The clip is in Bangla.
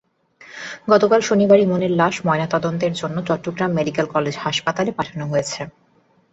গতকাল শনিবার ইমনের লাশ ময়নাতদন্তের জন্য চট্টগ্রাম মেডিকেল কলেজ হাসপাতালে পাঠানো হয়েছে।